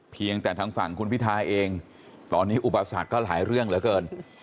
เพียงแต่ทางฝั่งคุณพิทาเองตอนนี้อุปสรรคก็หลายเรื่องเหลือเกิน